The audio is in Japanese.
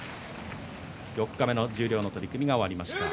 四日目の十両の取組が終わりました。